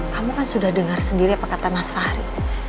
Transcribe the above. kamu kan sudah dengar sendiri apa kata mas fahri